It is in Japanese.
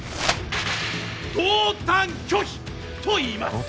同担拒否といいます